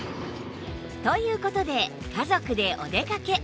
という事で家族でお出かけ